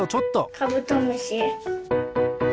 カブトムシ。